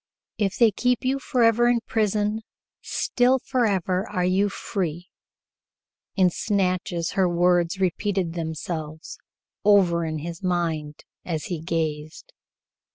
"If they keep you forever in the prison, still forever are you free." In snatches her words repeated themselves over in his mind as he gazed.